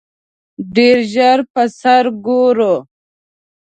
ډېر ژر به سره ګورو!